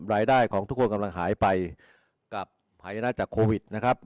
รายได้ของทุกคนกำลังหายไปกับหายนะจากโควิดนะครับ